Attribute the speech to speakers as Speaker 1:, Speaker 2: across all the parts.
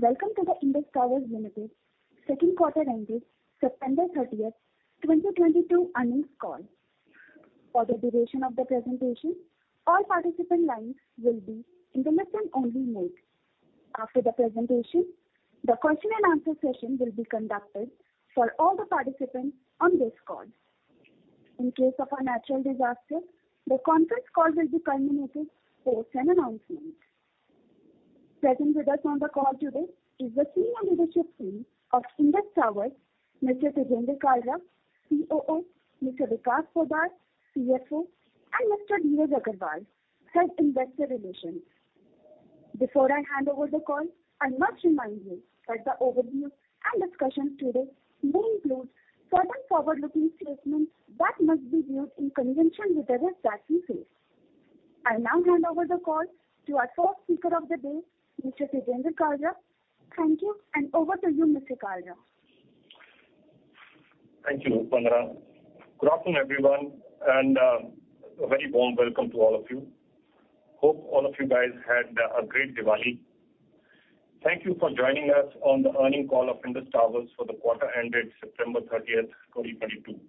Speaker 1: Welcome to the Indus Towers Limited second quarter ended September 30th, 2022, earnings call. For the duration of the presentation, all participant lines will be in listen only mode. After the presentation, the question-and-answer session will be conducted for all the participants on this call. In case of a natural disaster, the conference call will be terminated as an announcement. Sitting with us on the call today is the senior leadership team of Indus Towers, Mr. Tejinder Kalra, COO, Mr. Vikas Poddar, CFO, and Mr. Dheeraj Agarwal, Head Investor Relations. Before I hand over the call, I must remind you that the overview and discussion today may include certain forward-looking statements that must be viewed in conjunction with the risks that we face. I now hand over the call to our first speaker of the day, Mr. Tejinder Kalra. Thank you, and over to you, Mr. Kalra.
Speaker 2: Thank you, [Operator]. Good afternoon, everyone, and a very warm welcome to all of you. Hope all of you guys had a great Diwali. Thank you for joining us on the earnings call of Indus Towers for the quarter ended September 30th, 2022.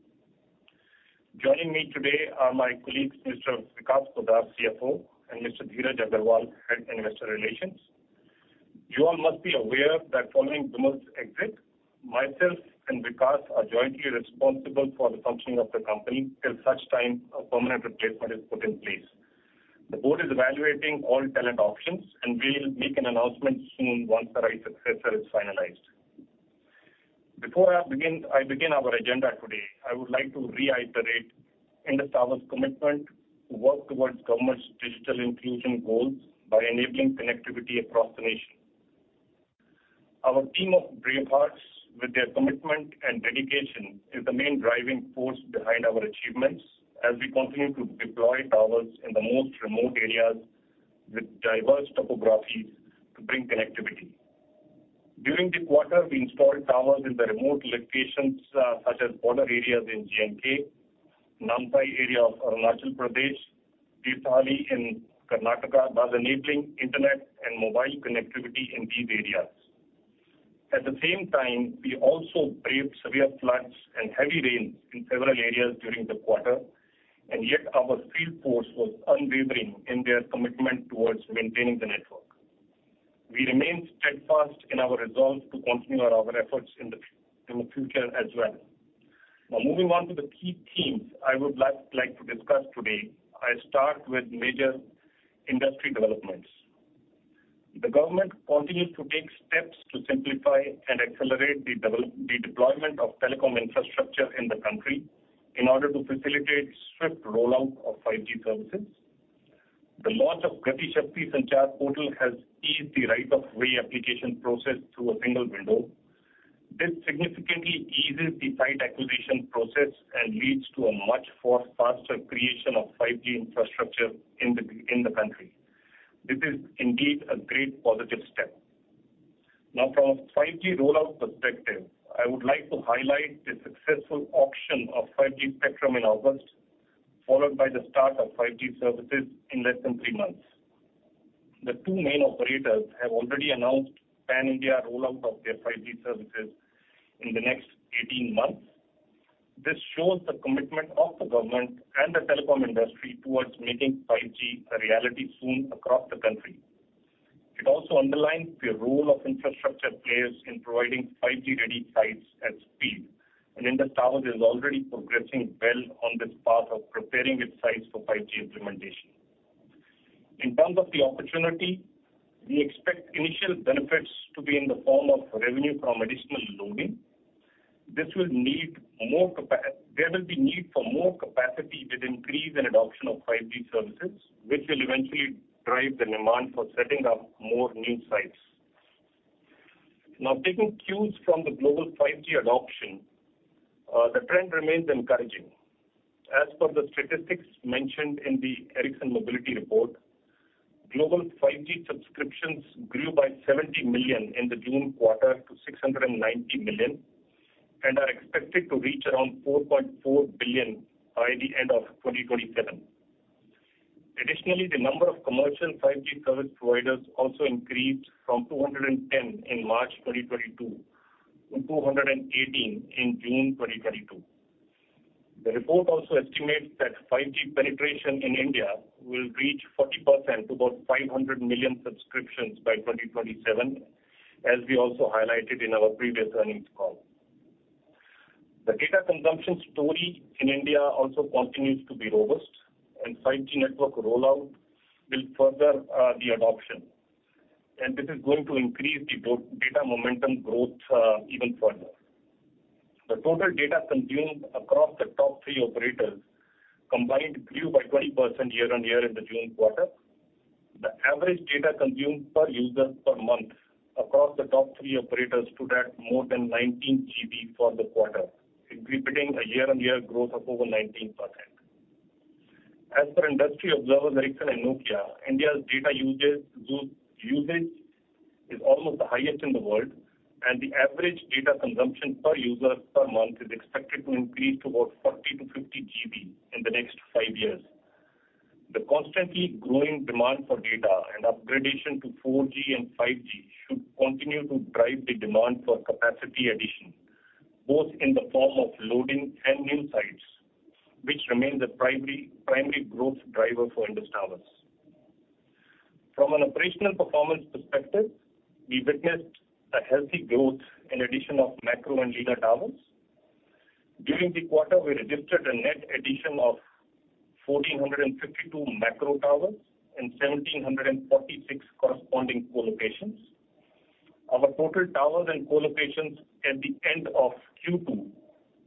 Speaker 2: Joining me today are my colleagues, Mr. Vikas Poddar, CFO, and Mr. Dheeraj Agarwal, Head Investor Relations. You all must be aware that following Bhumit's exit, myself and Vikas are jointly responsible for the functioning of the company till such time a permanent replacement is put in place. The board is evaluating all talent options, and we'll make an announcement soon once the right successor is finalized. Before I begin our agenda today, I would like to reiterate Indus Towers' commitment to work towards government's digital inclusion goals by enabling connectivity across the nation. Our team of brave hearts with their commitment and dedication is the main driving force behind our achievements as we continue to deploy towers in the most remote areas with diverse topographies to bring connectivity. During the quarter, we installed towers in the remote locations, such as border areas in J&K, Namsai area of Arunachal Pradesh, Bethamangala in Karnataka, thus enabling internet and mobile connectivity in these areas. At the same time, we also braved severe floods and heavy rains in several areas during the quarter, and yet our field force was unwavering in their commitment towards maintaining the network. We remain steadfast in our resolve to continue our efforts in the future as well. Now moving on to the key themes I would like to discuss today. I start with major industry developments. The government continues to take steps to simplify and accelerate the deployment of telecom infrastructure in the country in order to facilitate swift rollout of 5G services. The launch of GatiShakti Sanchar Portal has eased the right of way application process through a single window. This significantly eases the site acquisition process and leads to a much faster creation of 5G infrastructure in the country. This is indeed a great positive step. Now from a 5G rollout perspective, I would like to highlight the successful auction of 5G spectrum in August, followed by the start of 5G services in less than three months. The two main operators have already announced pan-India rollout of their 5G services in the next 18 months. This shows the commitment of the government and the telecom industry towards making 5G a reality soon across the country. It also underlines the role of infrastructure players in providing 5G-ready sites at speed. Indus Towers is already progressing well on this path of preparing its sites for 5G implementation. In terms of the opportunity, we expect initial benefits to be in the form of revenue from additional loading. There will be need for more capacity with increase in adoption of 5G services, which will eventually drive the demand for setting up more new sites. Now, taking cues from the global 5G adoption, the trend remains encouraging. As per the statistics mentioned in the Ericsson Mobility Report, global 5G subscriptions grew by 70 million in the June quarter to 690 million and are expected to reach around 4.4 billion by the end of 2027. Additionally, the number of commercial 5G service providers also increased from 210 in March 2022 to 218 in June 2022. The report also estimates that 5G penetration in India will reach 40% to about 500 million subscriptions by 2027, as we also highlighted in our previous earnings call. The data consumption story in India also continues to be robust, and 5G network rollout will further the adoption. This is going to increase the data momentum growth even further. The total data consumed across the top three operators combined grew by 20% year on year in the June quarter. The average data consumed per user per month across the top three operators stood at more than 19 GB for the quarter, repeating a year-on-year growth of over 19%. As per industry observers Ericsson and Nokia, India's data usage is almost the highest in the world, and the average data consumption per user per month is expected to increase to about 40-50 GB in the next five years. The constantly growing demand for data and upgradation to 4G and 5G should continue to drive the demand for capacity addition, both in the form of loading and in sites, which remain the primary growth driver for Indus Towers. From an operational performance perspective, we witnessed a healthy growth in addition of macro and lean towers. During the quarter, we registered a net addition of 1,452 macro towers and 1,746 corresponding co-locations. Our total towers and co-locations at the end of Q2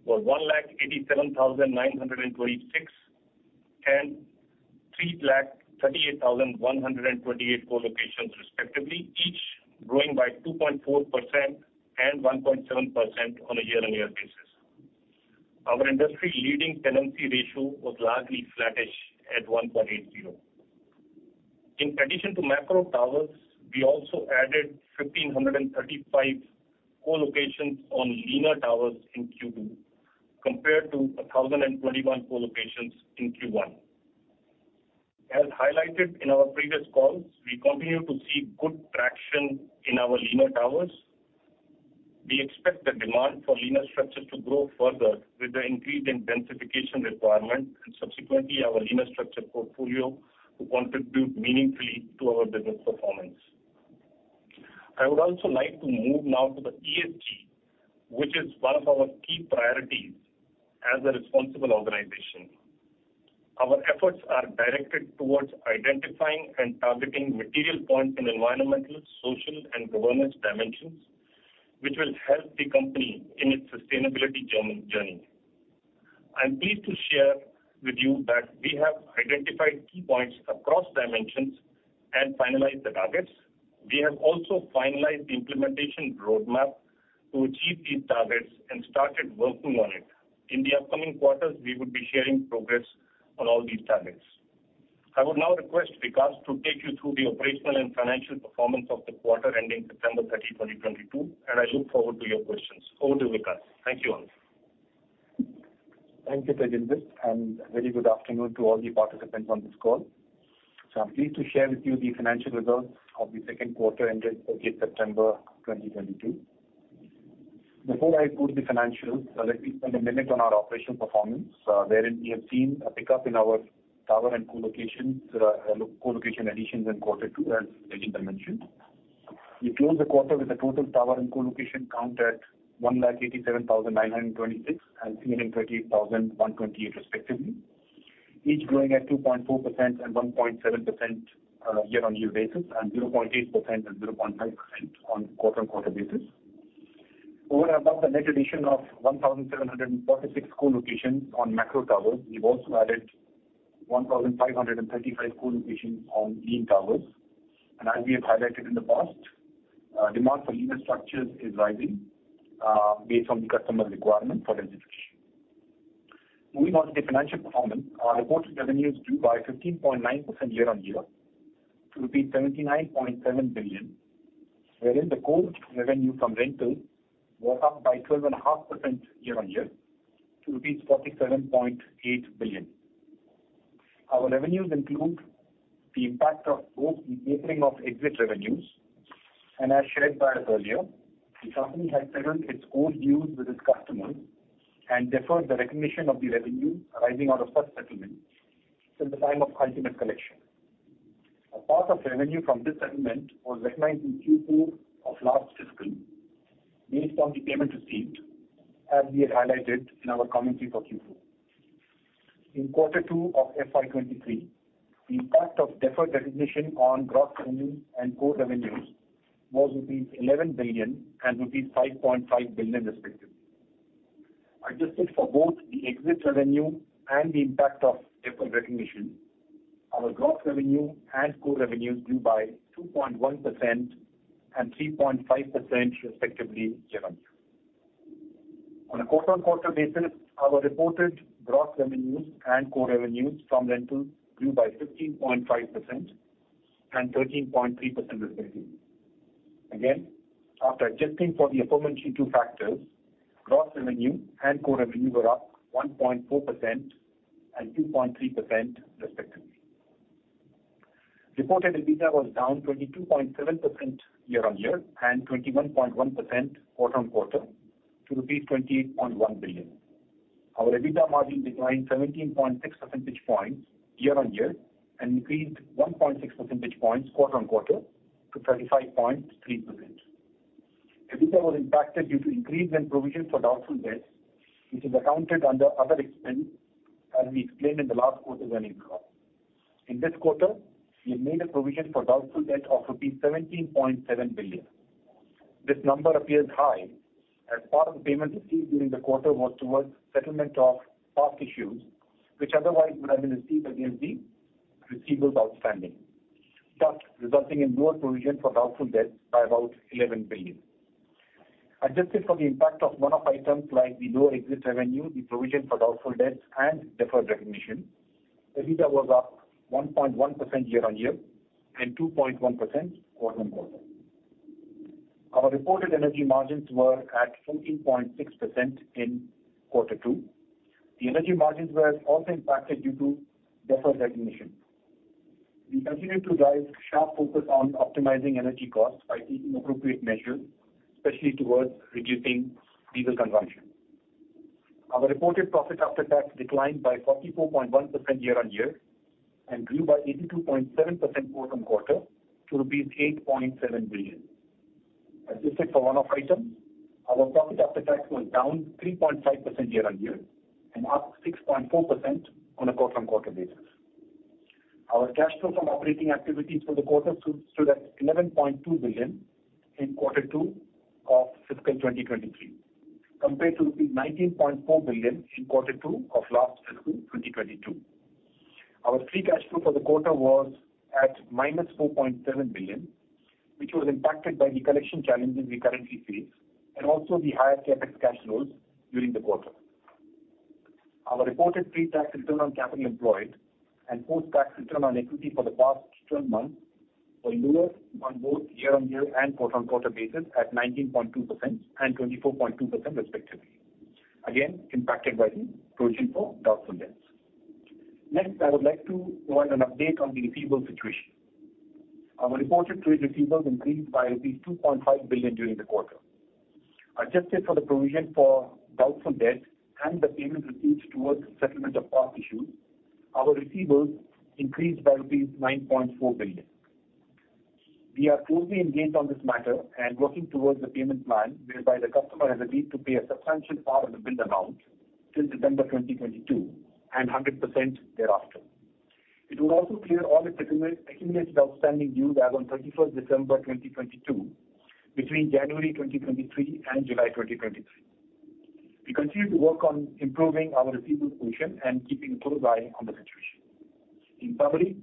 Speaker 2: were 1,87,926, and 3,38,128 co-locations respectively, each growing by 2.4% and 1.7% on a year-on-year basis. Our industry leading tenancy ratio was largely flattish at 1.80. In addition to macro towers, we also added 1,535 co-locations on linear towers in Q2 compared to 1,021 co-locations in Q1. As highlighted in our previous calls, we continue to see good traction in our linear towers. We expect the demand for linear structures to grow further with the increased densification requirement and subsequently our linear structure portfolio to contribute meaningfully to our business performance. I would also like to move now to the ESG, which is one of our key priorities as a responsible organization. Our efforts are directed towards identifying and targeting material points in environmental, social, and governance dimensions, which will help the company in its sustainability journey. I am pleased to share with you that we have identified key points across dimensions and finalized the targets. We have also finalized the implementation roadmap to achieve these targets and started working on it. In the upcoming quarters, we would be sharing progress on all these targets. I would now request Vikas to take you through the operational and financial performance of the quarter ending September 30, 2022, and I look forward to your questions. Over to Vikas. Thank you all.
Speaker 3: Thank you, Tejinder, and a very good afternoon to all the participants on this call. I'm pleased to share with you the financial results of the second quarter ended September 30, 2022. Before I go to the financials, let me spend a minute on our operational performance, wherein we have seen a pickup in our tower and co-locations, co-location additions in quarter two, as Tejinder mentioned. We closed the quarter with a total tower and co-location count at 1,87,926 and 3,38,128 respectively, each growing at 2.4% and 1.7% year-on-year basis, and 0.8% and 0.5% on quarter-on-quarter basis. Over and above the net addition of 1,746 co-locations on macro towers, we've also added 1,535 co-locations on lean towers. As we have highlighted in the past, demand for linear structures is rising, based on the customer requirement for densification. Moving on to the financial performance. Our reported revenue grew by 15.9% year-on-year to 79.7 billion, wherein the core revenue from rentals was up by 12.5% year-on-year to 47.8 billion. Our revenues include the impact of both the tapering of exit revenues, and as shared by us earlier, the company had settled its old dues with its customers and deferred the recognition of the revenue arising out of such settlement till the time of ultimate collection. A part of revenue from this settlement was recognized in Q2 of last fiscal based on the payments received, as we had highlighted in our commentary for Q4. In quarter two of FY 2023, the impact of deferred recognition on gross revenue and core revenues was 11 billion and rupees 5.5 billion respectively. Adjusted for both the exit revenue and the impact of deferred recognition, our gross revenue and core revenues grew by 2.1% and 3.5% respectively year-on-year. On a quarter-on-quarter basis, our reported gross revenues and core revenues from rentals grew by 15.5% and 13.3% respectively. Again, after adjusting for the aforementioned two factors, gross revenue and core revenue were up 1.4% and 2.3% respectively. Reported EBITDA was down 22.7% year-on-year and 21.1% quarter-on-quarter to rupees 28.1 billion. Our EBITDA margin declined 17.6 percentage points year-on-year and increased 1.6 percentage points quarter-on-quarter to 35.3%. EBITDA was impacted due to increase in provision for doubtful debts, which is accounted under other expense as we explained in the last quarter's earnings call. In this quarter, we made a provision for doubtful debt of rupees 17.7 billion. This number appears high as part of the payment received during the quarter was towards settlement of past issues, which otherwise would have been received against the receivables outstanding, thus resulting in lower provision for doubtful debts by about 11 billion. Adjusted for the impact of one-off items like the lower exit revenue, the provision for doubtful debts, and deferred recognition, EBITDA was up 1.1% year-on-year and 2.1% quarter-on-quarter. Our reported energy margins were at 14.6% in quarter two. The energy margins were also impacted due to deferred recognition. We continue to drive sharp focus on optimizing energy costs by taking appropriate measures, especially towards reducing diesel consumption. Our reported profit after tax declined by 44.1% year-on-year and grew by 82.7% quarter-on-quarter to INR 8.7 billion. Adjusted for one-off items, our profit after tax was down 3.5% year-on-year and up 6.4% on a quarter-on-quarter basis. Our cash flow from operating activities for the quarter stood at 11.2 billion in quarter two of fiscal 2023, compared to rupees 19.4 billion in quarter two of last fiscal, 2022. Our free cash flow for the quarter was at -4.7 billion, which was impacted by the collection challenges we currently face and also the higher CapEx cash flows during the quarter. Our reported pre-tax return on capital employed and post-tax return on equity for the past 12 months were lower on both year-on-year and quarter-on-quarter basis at 19.2% and 24.2% respectively. Again, impacted by the provision for doubtful debts. Next, I would like to provide an update on the receivables situation. Our reported trade receivables increased by 2.5 billion during the quarter. Adjusted for the provision for doubtful debt and the payment received towards settlement of past issues, our receivables increased by rupees 9.4 billion. We are closely engaged on this matter and working towards the payment plan whereby the customer has agreed to pay a substantial part of the billed amount till December 2022 and 100% thereafter. It will also clear all the accumulated outstanding dues as on December 31st, 2022, between January 2023 and July 2023. We continue to work on improving our receivables position and keeping a close eye on the situation. In summary,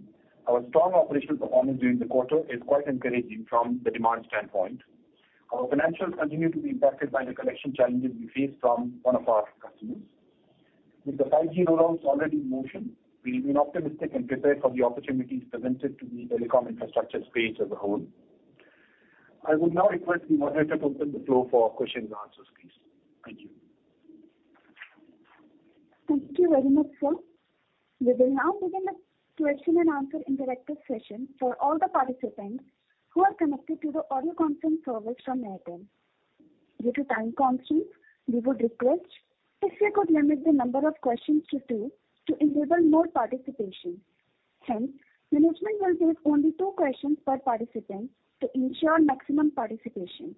Speaker 3: our strong operational performance during the quarter is quite encouraging from the demand standpoint. Our financials continue to be impacted by the collection challenges we face from one of our customers. With the 5G rollouts already in motion, we remain optimistic and prepared for the opportunities presented to the telecom infrastructure space as a whole. I would now request the moderator to open the floor for questions and answers, please. Thank you.
Speaker 1: Thank you very much, sir. We will now begin the question-and-answer interactive session for all the participants who are connected to the audio conference service from their end. Due to time constraints, we would request if you could limit the number of questions to two to enable more participation. Hence, the management will take only two questions per participant to ensure maximum participation.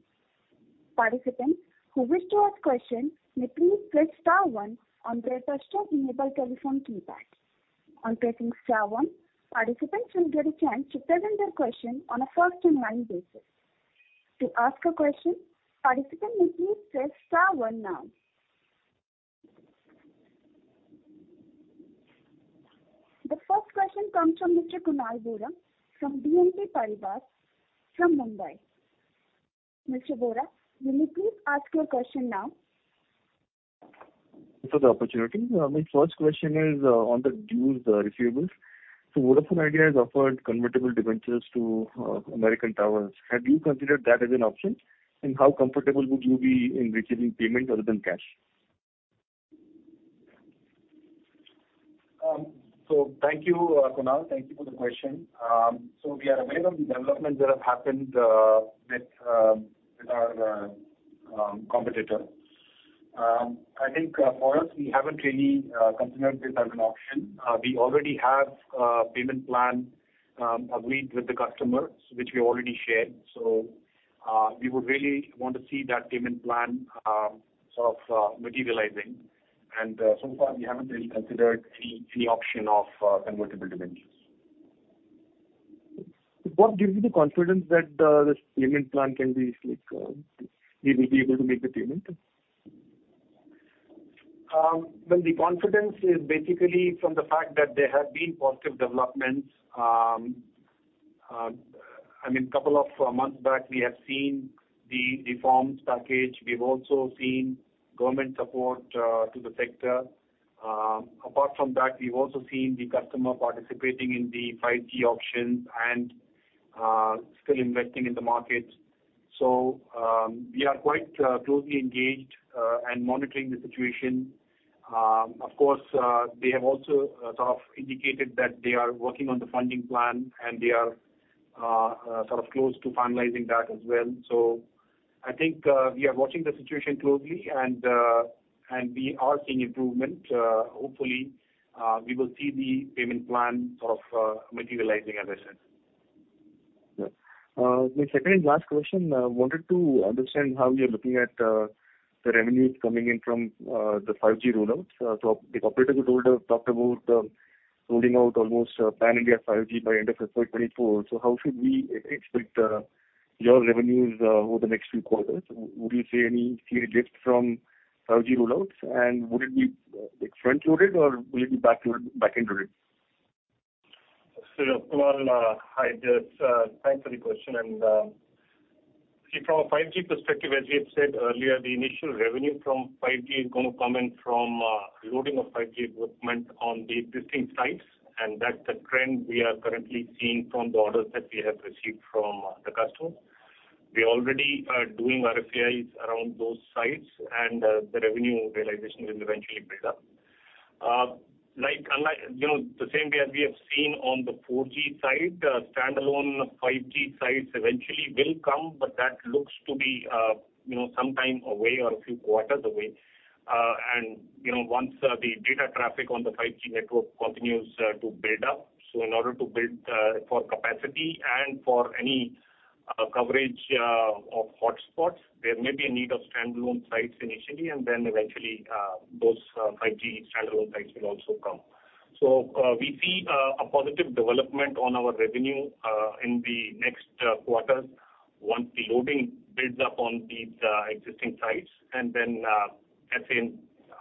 Speaker 1: Participants who wish to ask questions may please press star one on their touchtone enabled telephone keypad. On pressing star one, participants will get a chance to present their question on a first in line basis. To ask a question, participants may please press star one now. The first question comes from Mr. Kunal Vora from BNP Paribas from Mumbai. Mr. Vora, will you please ask your question now?
Speaker 4: Thanks for the opportunity. My first question is on the dues, receivables. Vodafone Idea has offered convertible debentures to American Tower. Had you considered that as an option? How comfortable would you be in receiving payment rather than cash?
Speaker 3: Thank you, Kunal. Thank you for the question. We are aware of the developments that have happened with our competitor. I think, for us, we haven't really considered this as an option. We already have a payment plan agreed with the customer, which we already shared. We would really want to see that payment plan sort of materializing. So far, we haven't really considered the option of convertible debentures.
Speaker 4: What gives you the confidence that this payment plan can be like they will be able to make the payment?
Speaker 3: Well, the confidence is basically from the fact that there have been positive developments. I mean, couple of months back, we have seen the reforms package. We've also seen government support to the sector. Apart from that, we've also seen the customer participating in the 5G auctions and still investing in the market. We are quite closely engaged and monitoring the situation. Of course, they have also sort of indicated that they are working on the funding plan and they are sort of close to finalizing that as well. I think we are watching the situation closely and we are seeing improvement. Hopefully, we will see the payment plan sort of materializing as I said.
Speaker 4: Yeah. My second and last question wanted to understand how you're looking at the revenues coming in from the 5G rollouts. The operators have told us about rolling out almost pan-India 5G by end of fiscal 2024. How should we expect your revenues over the next few quarters? Would you see any clear lift from 5G rollouts? And would it be like front-loaded, or will it be back-loaded or back-ended?
Speaker 2: Kunal, hi there. Thanks for the question and, see, from a 5G perspective, as we have said earlier, the initial revenue from 5G is gonna come in from, loading of 5G equipment on the existing sites, and that's the trend we are currently seeing from the orders that we have received from, the customers. We already are doing RFIs around those sites and, the revenue realization will eventually build up. Like unlike, you know, the same way as we have seen on the 4G site, standalone 5G sites eventually will come, but that looks to be, you know, some time away or a few quarters away. You know, once the data traffic on the 5G network continues to build up, in order to build for capacity and for any coverage of hotspots, there may be a need of standalone sites initially, and then eventually those 5G standalone sites will also come. We see a positive development on our revenue in the next quarters once the loading builds up on these existing sites.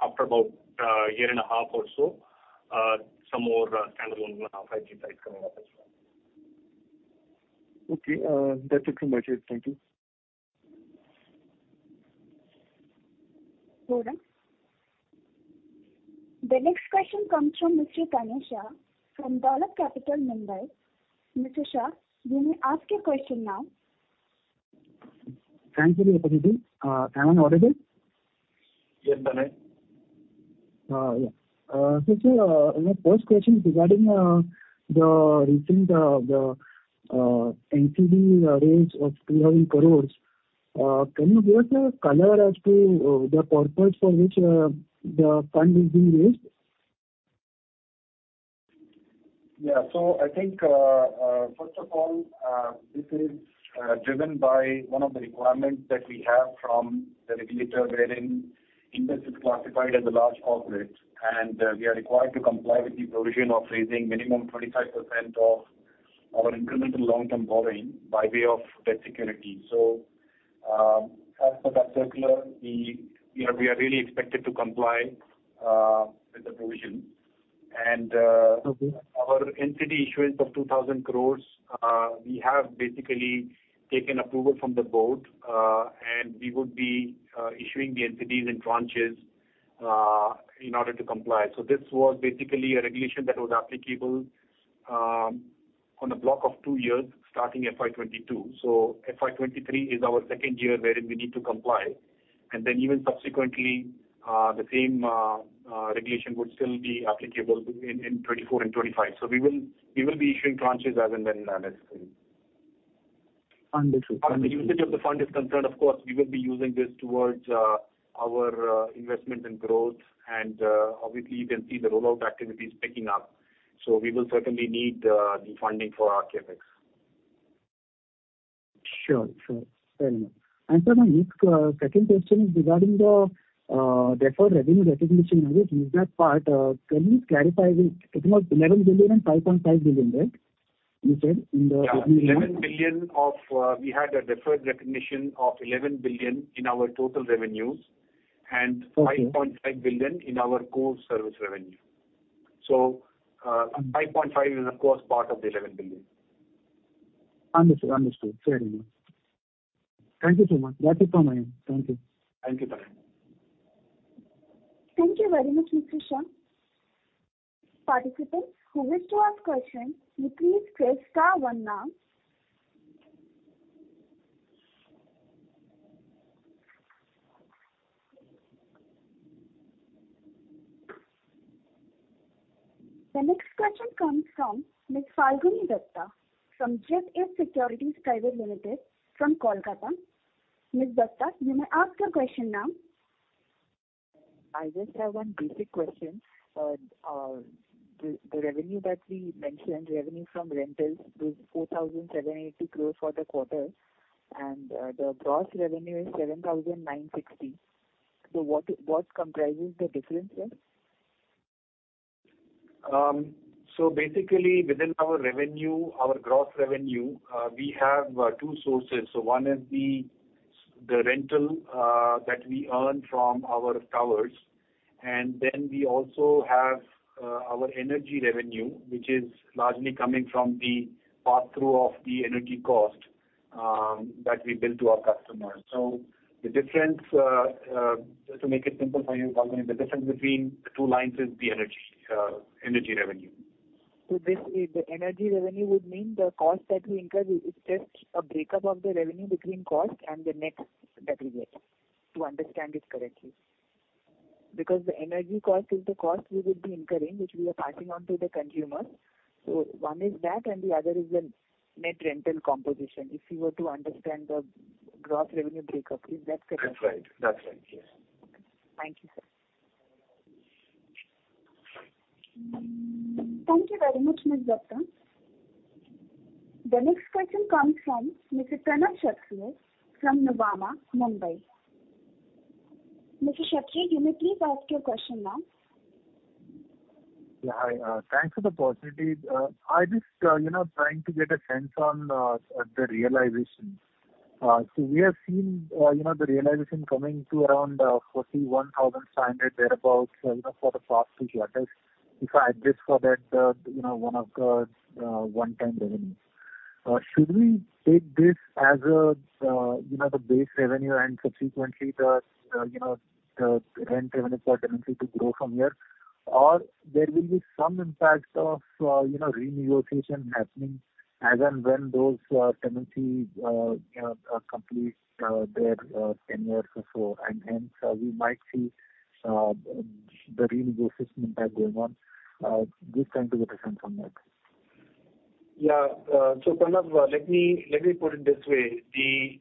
Speaker 2: After about a year and a half or so, some more standalone 5G sites coming up as well.
Speaker 4: Okay. That's it from my side. Thank you.
Speaker 1: [Vora]. The next question comes from Mr. [Sha] from Dalal Capital, Mumbai. Mr. Shah, you may ask your question now.
Speaker 5: Thanks for the opportunity. Am I audible?
Speaker 3: Yes, [go ahead].
Speaker 5: Sir, my first question regarding the recent NCD raise of INR 200 crores. Can you give us a color as to the purpose for which the fund is being raised?
Speaker 3: I think, first of all, this is driven by one of the requirements that we have from the regulator wherein Indus is classified as a large corporate, and we are required to comply with the provision of raising minimum 25% of our incremental long-term borrowing by way of debt security. As per that circular, we, you know, we are really expected to comply with the provision.
Speaker 5: Okay.
Speaker 3: Our NCD issuance of 2,000 crore, we have basically taken approval from the board, and we would be issuing the NCDs in tranches in order to comply. This was basically a regulation that was applicable on a block of two years starting FY 2022. FY 2023 is our second year wherein we need to comply. Then even subsequently, the same regulation would still be applicable in 2024 and 2025. We will be issuing tranches as and when necessary.
Speaker 5: Understood.
Speaker 3: As the usage of the fund is concerned, of course, we will be using this towards our investment and growth. Obviously, you can see the rollout activities picking up. We will certainly need the funding for our CapEx.
Speaker 5: Sure. Fair enough. Sir, my next, second question is regarding the deferred revenue recognition. Can you clarify? I think it's INR 11 billion and INR 5.5 billion, right? You said in the revenue.
Speaker 3: Yeah. INR 11 billion of, we had a deferred recognition of 11 billion in our total revenues.
Speaker 5: Okay.
Speaker 3: 5.5 billion in our core service revenue. 5.5 billion is of course part of the 11 billion.
Speaker 5: Understood. Fair enough. Thank you so much. That's it from my end. Thank you.
Speaker 3: Thank you, [Mr. Shah}.
Speaker 1: Thank you very much, Mr. Shah. Participants who wish to ask question, you please press star one now. The next question comes from Ms. Falguni Dutta from Jet Age Securities Private Limited from Kolkata. Ms. Dutta, you may ask your question now.
Speaker 6: I just have one basic question. The revenue that we mentioned, revenue from rentals was 4,780 crores for the quarter, and the gross revenue is 7,960 crores. What comprises the difference there?
Speaker 3: Basically, within our revenue, our gross revenue, we have two sources. One is the rental that we earn from our towers. Then we also have our energy revenue, which is largely coming from the pass-through of the energy cost that we bill to our customers. The difference, just to make it simple for you, Falguni, the difference between the two lines is the energy revenue.
Speaker 6: This is the energy revenue would mean the cost that we incur is just a breakup of the revenue between cost and the net that we get. To understand this correctly, because the energy cost is the cost we would be incurring, which we are passing on to the consumer. One is that, and the other is the net rental composition. If you were to understand the gross revenue breakup, is that correct?
Speaker 3: That's right. Yes.
Speaker 6: Thank you, sir.
Speaker 1: Thank you very much, Ms. Dutta. The next question comes from Mr. [Pranav Shukla] from [Navi] Mumbai. Mr. [Shukla], you may please ask your question now.
Speaker 7: Yeah. Hi. Thanks for the opportunity. I just, you know, trying to get a sense on the realization. We have seen, you know, the realization coming to around 41,000 standard thereabout, you know, for the past few quarters. If I adjust for that, you know, one of the one-time revenue. Should we take this as a, you know, the base revenue and subsequently the, you know, the rent revenues have a tendency to grow from here? There will be some impact of, you know, renegotiation happening as and when those tenancies, you know, are complete, their ten years or so. Hence, we might see the renegotiation impact going on. Just trying to get a sense on that.
Speaker 3: [So far], let me put it this way. The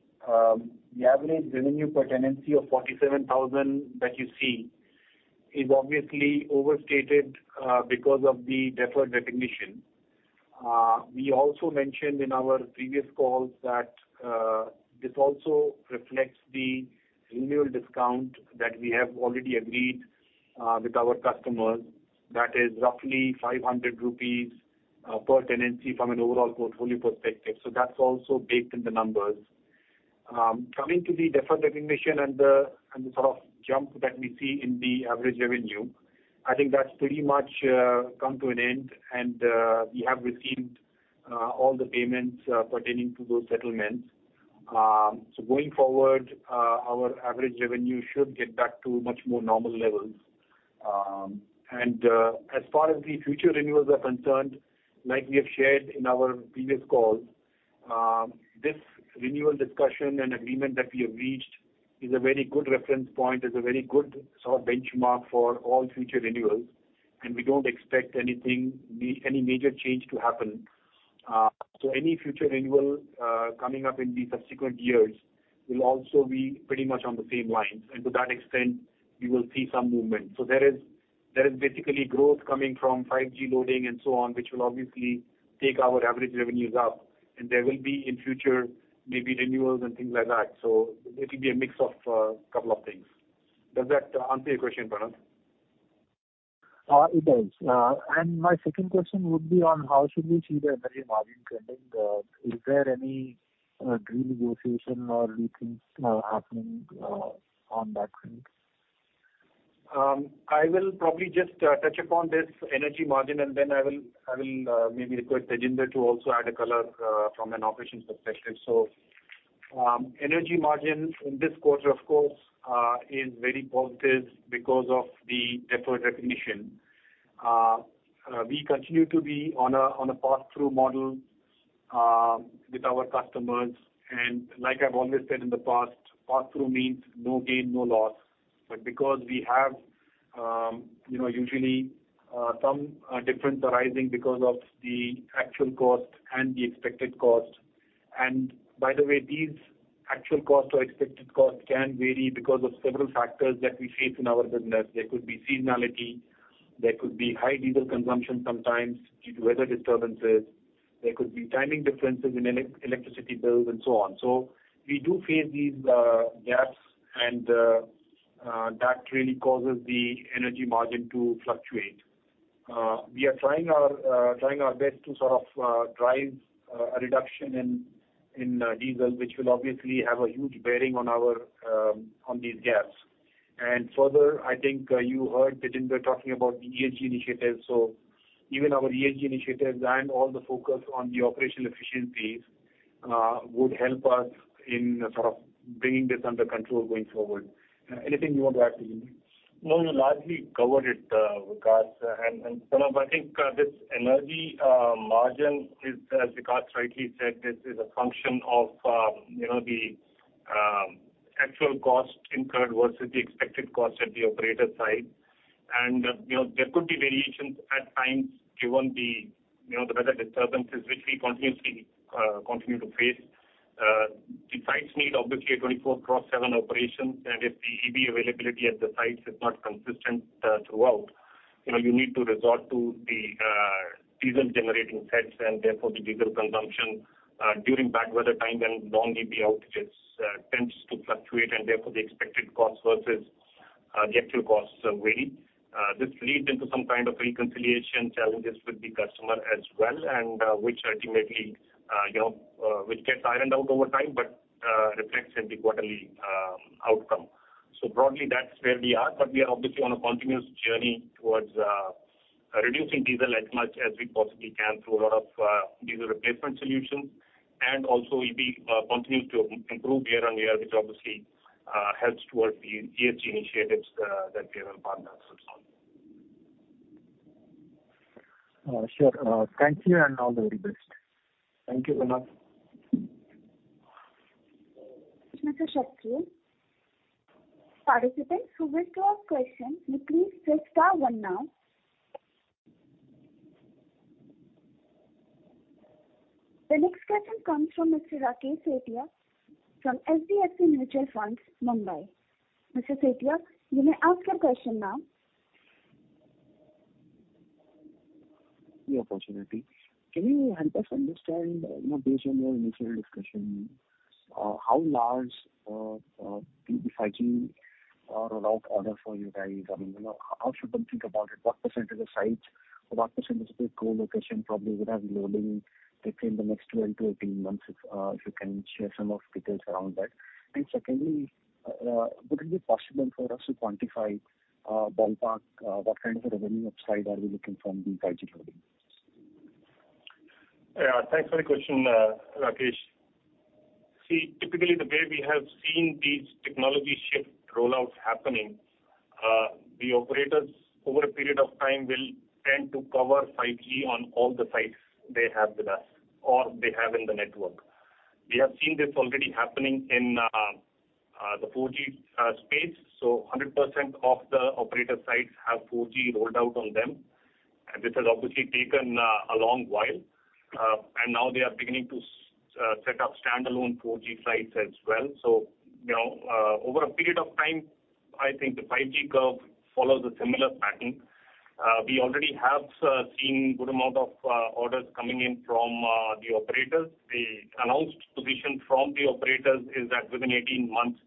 Speaker 3: average revenue per tenancy of 47,000 that you see is obviously overstated because of the deferred recognition. We also mentioned in our previous calls that this also reflects the renewal discount that we have already agreed with our customers. That is roughly 500 rupees per tenancy from an overall portfolio perspective. That's also baked in the numbers. Coming to the deferred recognition and the sort of jump that we see in the average revenue, I think that's pretty much come to an end. We have received all the payments pertaining to those settlements. Going forward, our average revenue should get back to much more normal levels. As far as the future renewals are concerned, like we have shared in our previous calls, this renewal discussion and agreement that we have reached is a very good reference point, is a very good sort of benchmark for all future renewals, and we don't expect any major change to happen. Any future renewal coming up in the subsequent years will also be pretty much on the same lines, and to that extent, we will see some movement. There is basically growth coming from 5G loading and so on, which will obviously take our average revenues up, and there will be in future maybe renewals and things like that. It will be a mix of couple of things. Does that answer your question, Pranav?
Speaker 7: It does. My second question would be on how should we see the energy margin trending? Is there any renegotiation or new things happening on that front?
Speaker 3: I will probably just touch upon this energy margin, and then I will maybe request Tejinder to also add a color from an operations perspective. Energy margin in this quarter of course is very positive because of the deferred recognition. We continue to be on a pass-through model with our customers. Like I've always said in the past, pass-through means no gain, no loss. Because we have, you know, usually some difference arising because of the actual cost and the expected cost. By the way, these actual cost or expected cost can vary because of several factors that we face in our business. There could be seasonality, there could be high diesel consumption sometimes due to weather disturbances, there could be timing differences in electricity bills and so on. We do face these gaps and that really causes the energy margin to fluctuate. We are trying our best to sort of drive a reduction in diesel, which will obviously have a huge bearing on these gaps. Further, I think you heard Tejinder talking about the ESG initiatives. Even our ESG initiatives and all the focus on the operational efficiencies would help us in sort of bringing this under control going forward. Anything you want to add, Tejinder?
Speaker 2: No, you largely covered it, Vikas. Pranav, I think this energy margin is, as Vikas rightly said, this is a function of, you know, the actual cost incurred versus the expected cost at the operator side. You know, there could be variations at times given the, you know, the weather disturbances which we continuously continue to face. The sites need obviously a [24x7] operation, and if the EB availability at the sites is not consistent throughout, you know, you need to resort to the diesel generating sets, and therefore the diesel consumption during bad weather time and long EB outages tends to fluctuate, and therefore the expected cost versus the actual costs vary. This leads into some kind of reconciliation challenges with the customer as well, which ultimately, you know, gets ironed out over time, but reflects in the quarterly outcome. Broadly, that's where we are. We are obviously on a continuous journey towards reducing diesel as much as we possibly can through a lot of diesel replacement solutions. Also, EB continues to improve year on year, which obviously helps towards the ESG initiatives that we have in partnership as well.
Speaker 7: Sure. Thank you and all the very best.
Speaker 3: Thank you, Pranav.
Speaker 1: Mr. Shakya. Participants who wish to ask questions, you please press star one now. The next question comes from Mr. Rakesh Sethia from HDFC Mutual Fund, Mumbai. Mr. Sethia, you may ask your question now.
Speaker 8: The opportunity. Can you help us understand, you know, based on your initial discussion, how large the 5G rollout order for you guys? I mean, you know, how should one think about it? What percentage of sites or what percentage of the co-locations probably would have loading between the next 12-18 months, if you can share some of the details around that. Secondly, would it be possible for us to quantify, ballpark, what kind of a revenue upside are we looking from the 5G loading?
Speaker 2: Yeah, thanks for the question, Rakesh. See, typically the way we have seen these technology shift rollouts happening, the operators over a period of time will tend to cover 5G on all the sites they have with us, or they have in the network. We have seen this already happening in the 4G space. 100% of the operator sites have 4G rolled out on them, and this has obviously taken a long while. Now they are beginning to set up standalone 4G sites as well. You know, over a period of time, I think the 5G curve follows a similar pattern. We already have seen good amount of orders coming in from the operators. The announced position from the operators is that within 18 months,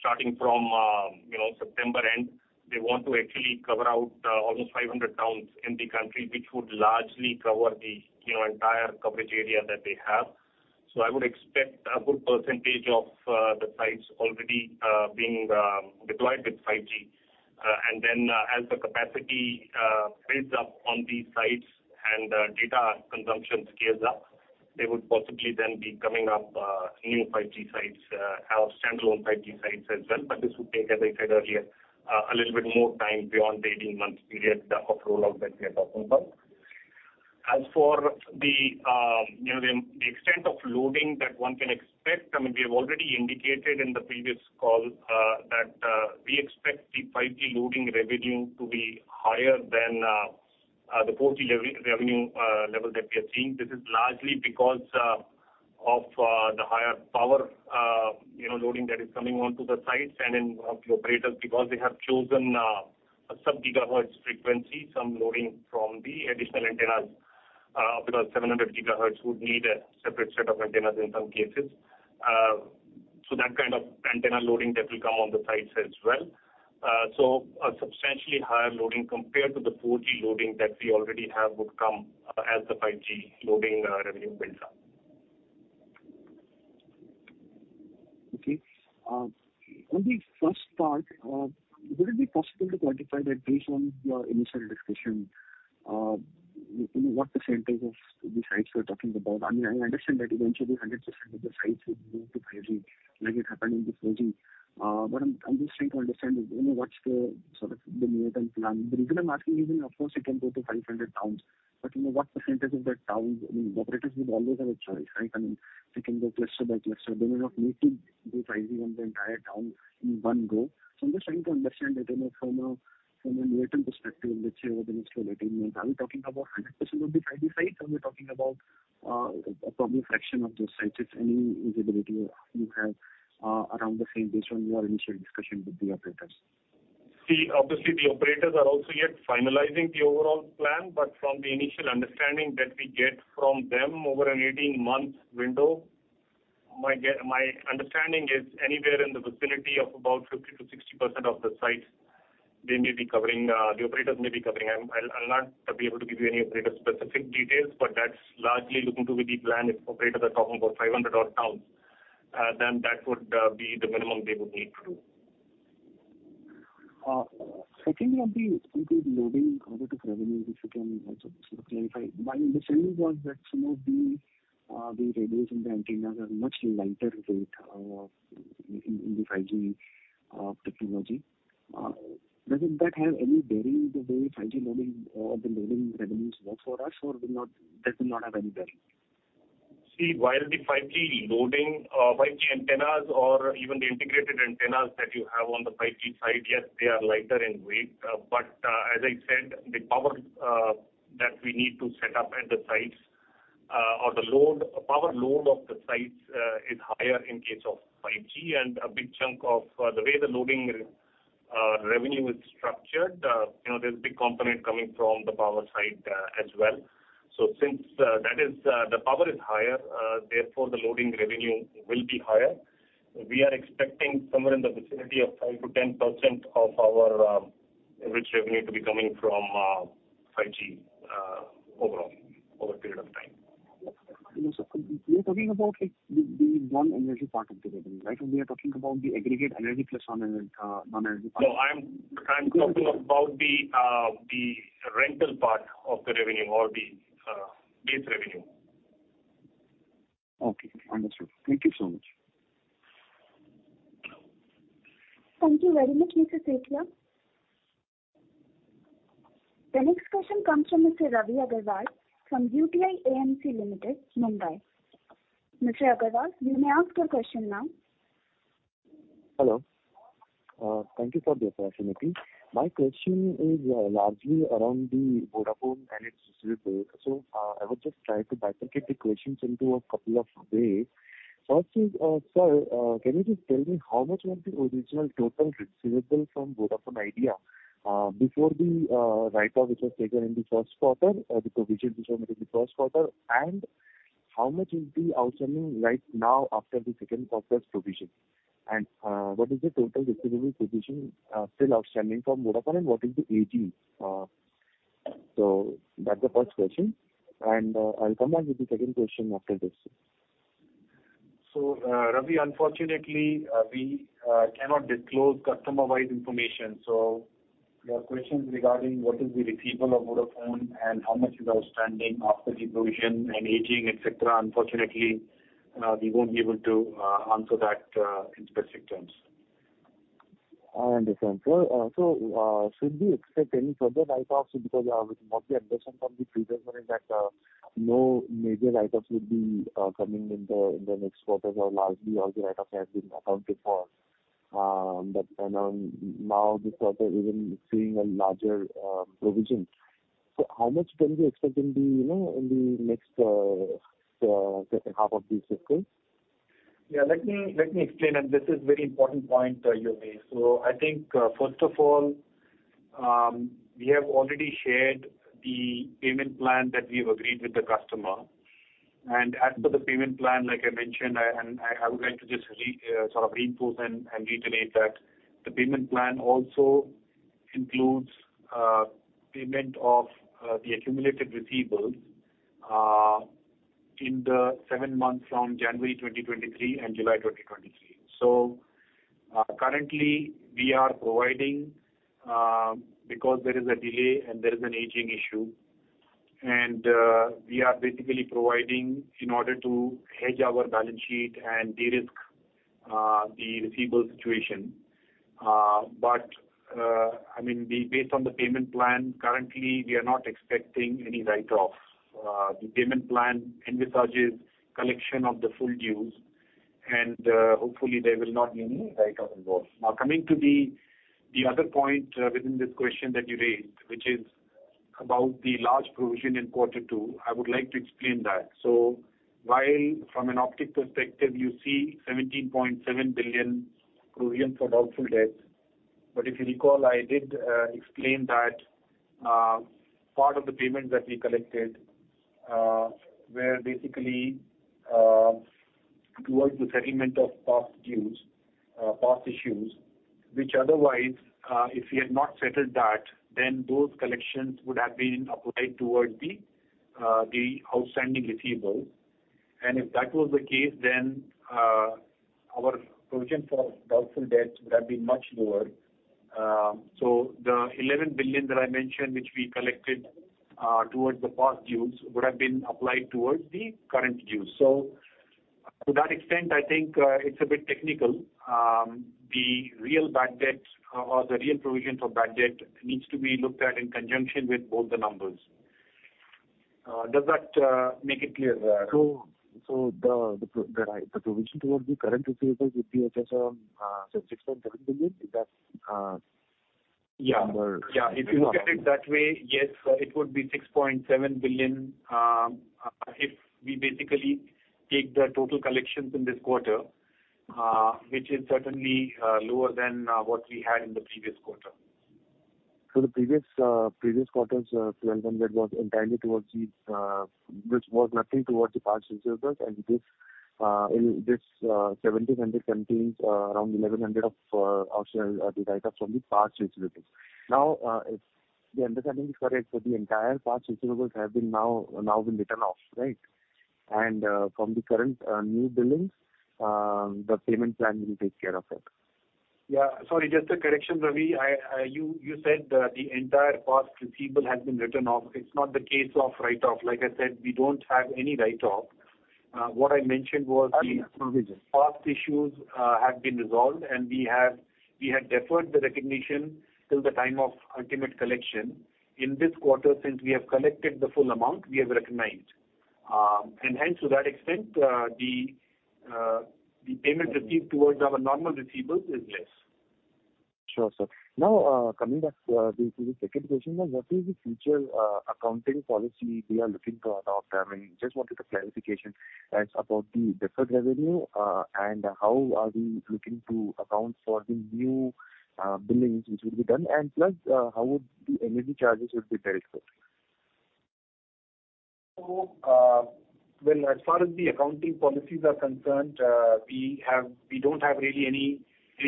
Speaker 2: starting from, you know, September end, they want to actually cover out almost 500 towns in the country, which would largely cover the, you know, entire coverage area that they have. I would expect a good percentage of the sites already being deployed with 5G. As the capacity builds up on these sites and data consumption scales up, they would possibly then be coming up new 5G sites or standalone 5G sites as well. This would take, as I said earlier, a little bit more time beyond the 18 months period of rollout that we are talking about. As for you know, the extent of loading that one can expect, I mean, we have already indicated in the previous call that we expect the 5G loading revenue to be higher than the 4G level that we are seeing. This is largely because of the higher power, you know, loading that is coming onto the sites and with the operators because they have chosen a sub-gigahertz frequency. Some loading from the additional antennas up to the 700 GHz would need a separate set of antennas in some cases. That kind of antenna loading that will come on the sites as well. A substantially higher loading compared to the 4G loading that we already have would come as the 5G loading revenue builds up.
Speaker 8: Okay. On the first part, would it be possible to quantify that based on your initial discussion, you know, what percentage of the sites we're talking about? I mean, I understand that eventually 100% of the sites would move to 5G like it happened in the 4G. But I'm just trying to understand, you know, what's the sort of near-term plan. The reason I'm asking is, I mean, of course, you can go to 500 towns, but, you know, what percentage of that towns? I mean, the operators would always have a choice, right? I mean, they can go cluster by cluster. They may not need to do 5G on the entire town in one go. So, I'm just trying to understand that, you know, from a near-term perspective, let's say over the next 12, 18 months. Are we talking about 100% of the 5G sites? Are we talking about a probably fraction of those sites? If any visibility you have around the same based on your initial discussion with the operators.
Speaker 2: See, obviously the operators are also yet finalizing the overall plan, but from the initial understanding that we get from them over an 18-month window, my understanding is anywhere in the vicinity of about 50%-60% of the sites the operators may be covering. I'll not be able to give you any operator-specific details, but that's largely looking to be the plan if operators are talking about 500-odd towns, then that would be the minimum they would need to do.
Speaker 8: Secondly on the complete loading onto revenue, if you can also sort of clarify. My understanding was that some of the radios and the antennas are much lighter weight in the 5G technology. Doesn't that have any bearing the way 5G loading or the loading revenues work for us, or that do not have any bearing?
Speaker 2: See, while the 5G loading, 5G antennas or even the integrated antennas that you have on the 5G site, yes, they are lighter in weight. As I said, the power that we need to set up at the sites or the load, power load of the sites is higher in case of 5G and a big chunk of the way the loading revenue is structured, you know, there's a big component coming from the power side, as well. Since that is, the power is higher, therefore the loading revenue will be higher. We are expecting somewhere in the vicinity of 5%-10% of our total revenue to be coming from 5G overall over a period of time.
Speaker 8: You're talking about like the non-energy part of the revenue, right? Or we are talking about the aggregate energy plus non-energy part.
Speaker 2: No, I'm talking about the rental part of the revenue or the base revenue.
Speaker 8: Okay, understood. Thank you so much.
Speaker 1: Thank you very much, Mr. Sethia. The next question comes from Mr. Raashi Agrawal from UTI AMC Limited, Mumbai. Mr. Agrawal, you may ask your question now.
Speaker 9: Hello. Thank you for the opportunity. My question is largely around Vodafone Idea and its receivable. I would just try to bifurcate the questions into a couple of ways. First is, sir, can you just tell me how much was the original total receivable from Vodafone Idea before the write off which was taken in the first quarter, the provision which was made in the first quarter? And how much is the outstanding right now after the second quarter's provision? And what is the total receivable provision still outstanding from Vodafone Idea, and what is the age? That's the first question. I'll come back with the second question after this.
Speaker 3: Raashi, unfortunately, we cannot disclose customer-wide information. Your questions regarding what is the receivable of Vodafone and how much is outstanding after the provision and aging, etc. Unfortunately, we won't be able to answer that in specific terms.
Speaker 9: I understand. Should we expect any further write-offs because with what the admission from the previous one is that no major write-offs would be coming in the next quarter or largely all the write-offs have been accounted for. But and now this quarter even seeing a larger provision. How much can we expect in the, you know, in the next, say, second half of this fiscal?
Speaker 3: Yeah, let me explain. This is very important point you raised. I think, first of all, we have already shared the payment plan that we have agreed with the customer. As per the payment plan, like I mentioned, I would like to just sort of reinforce and reiterate that the payment plan also includes payment of the accumulated receivables in the seven months from January 2023 and July 2023. Currently we are providing, because there is a delay and there is an aging issue, and we are basically providing in order to hedge our balance sheet and de-risk the receivable situation. I mean, based on the payment plan, currently we are not expecting any write-off. The payment plan envisages collection of the full dues, and hopefully there will not be any write-off involved. Now, coming to the other point within this question that you raised, which is about the large provision in quarter two, I would like to explain that. While from an optics perspective, you see 17.7 billion provision for doubtful debts, but if you recall, I did explain that part of the payments that we collected were basically towards the settlement of past dues, past issues, which otherwise if we had not settled that, then those collections would have been applied towards the outstanding receivables. If that was the case, then our provision for doubtful debt would have been much lower. The 11 billion that I mentioned, which we collected towards the past dues, would have been applied towards the current dues. To that extent, I think it's a bit technical. The real bad debts or the real provision for bad debt needs to be looked at in conjunction with both the numbers. Does that make it clear there?
Speaker 9: The provision towards the current receivables would be around, say, INR 6.7 billion. Is that number-
Speaker 3: Yeah. If you look at it that way, yes, it would be 6.7 billion, if we basically take the total collections in this quarter, which is certainly lower than what we had in the previous quarter.
Speaker 9: The previous quarter's 1,200 was entirely towards the, which was nothing towards the past receivables. This in this 1,700 contains around 1,100 of the write-off from the past receivables. Now, if the understanding is correct, the entire past receivables have been now written off, right? From the current new billings, the payment plan will take care of it.
Speaker 3: Yeah. Sorry, just a correction, Raashi. You said the entire past receivable has been written off. It's not the case of write-off. Like I said, we don't have any write-off. What I mentioned was the.
Speaker 9: I mean, provision.
Speaker 3: Past issues have been resolved, and we had deferred the recognition till the time of ultimate collection. In this quarter, since we have collected the full amount, we have recognized. Hence to that extent, the payment received towards our normal receivables is less.
Speaker 9: Sure, sir. Now, coming back to the second question. What is the future accounting policy we are looking to adopt? I mean, just wanted a clarification as about the deferred revenue, and how are we looking to account for the new billings which will be done? Plus, how would the energy charges would be dealt with?
Speaker 3: Well, as far as the accounting policies are concerned, we don't have really any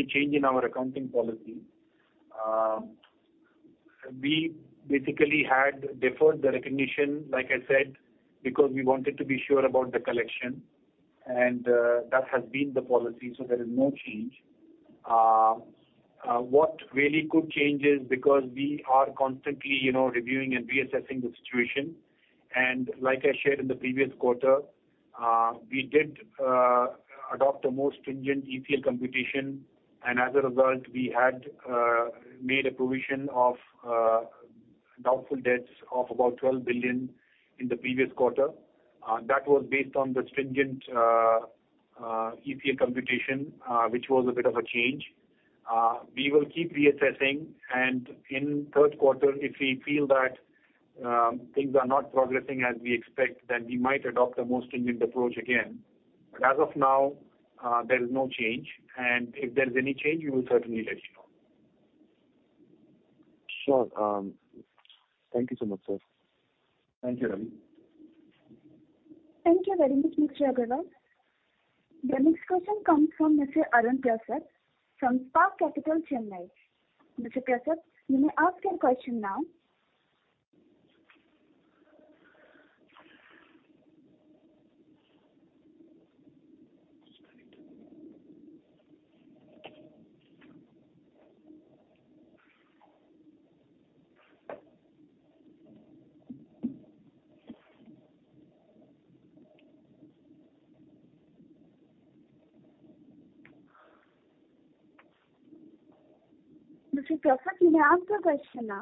Speaker 3: change in our accounting policy. We basically had deferred the recognition, like I said, because we wanted to be sure about the collection and that has been the policy, so there is no change. What really could change is because we are constantly, you know, reviewing and reassessing the situation. Like I shared in the previous quarter, we did adopt a more stringent ECL computation, and as a result, we had made a provision of doubtful debts of about 12 billion in the previous quarter. That was based on the stringent ECL computation, which was a bit of a change. We will keep reassessing, and in third quarter, if we feel that, things are not progressing as we expect, then we might adopt a more stringent approach again. As of now, there is no change. If there is any change, we will certainly let you know.
Speaker 9: Sure. Thank you so much, sir.
Speaker 3: Thank you, Raashi.
Speaker 1: Thank you very much, Mr. Agrawal. The next question comes from Mr. Arun Prasath from Spark Capital, Chennai. Mr. Prasath, you may ask your question now.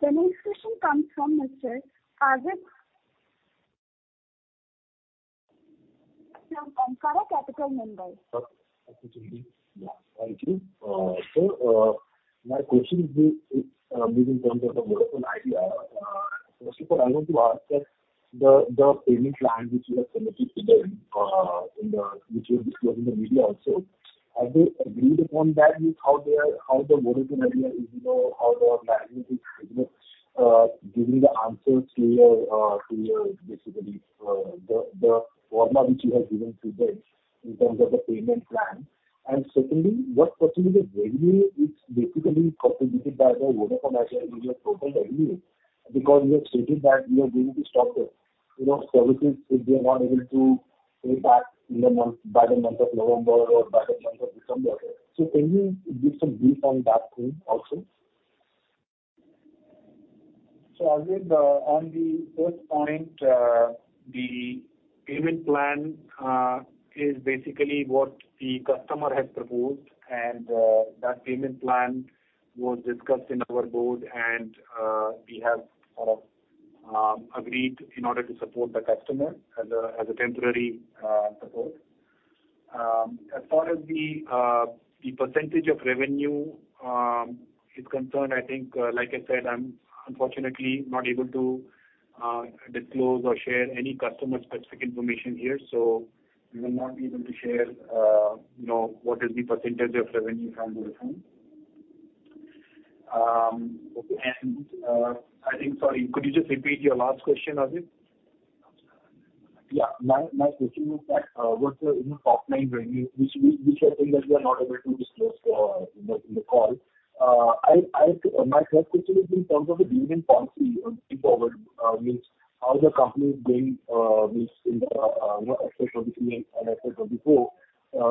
Speaker 1: The next question comes from Mr. [Ajit] from Aamara Capital, Mumbai.
Speaker 10: Okay. Thank you. My question is, maybe in terms of the Vodafone Idea, first of all, I want to ask that the payment plan which you have submitted to them, which you have disclosed in the media also, have they agreed upon that with how they are, how the Vodafone Idea is, you know, how the management is, you know, giving the answers to your, to your basically, the format which you have given to them in terms of the payment plan. Secondly, what percentage of revenue is basically contributed by the Vodafone Idea in your total revenue because you have stated that you are going to stop their, you know, services if they are not able to pay back in the month, by the month of November or by the month of December. Can you give some brief on that thing also?
Speaker 3: Ajit, on the first point, the payment plan is basically what the customer has proposed, and that payment plan was discussed in our board and we have sort of agreed in order to support the customer as a temporary support. As far as the percentage of revenue is concerned, I think, like I said, I'm unfortunately not able to disclose or share any customer specific information here, so we will not be able to share, you know, what is the percentage of revenue from Vodafone. Sorry, could you just repeat your last question, Ajit?
Speaker 10: My question was that, what's the, you know, top line revenue which I think that you are not able to disclose in the call. My third question is in terms of the dividend policy going forward, I mean how the company is doing, I mean in the, you know, FY 2023 and FY 2024,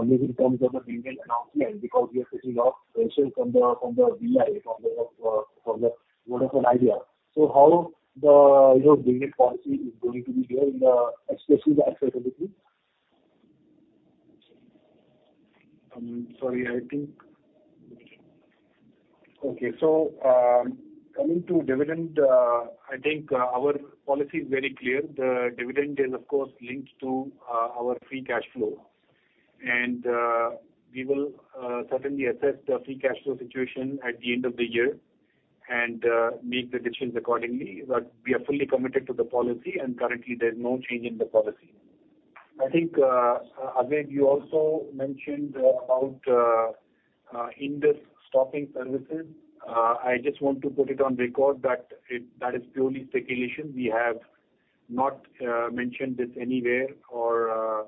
Speaker 10: maybe in terms of the dividend announcement because we are facing a lot of pressure from the Bharti, from the Vodafone Idea. How the, you know, dividend policy is going to be here, especially the FY 2023.
Speaker 3: Coming to dividend, I think our policy is very clear. The dividend is of course linked to our free cash flow. We will certainly assess the free cash flow situation at the end of the year and make the decisions accordingly. We are fully committed to the policy and currently there's no change in the policy. I think, Ajit, you also mentioned about Indus stopping services. I just want to put it on record that it is purely speculation. We have not mentioned this anywhere or